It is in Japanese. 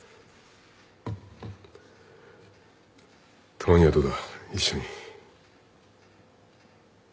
たまにはどうだ一緒に。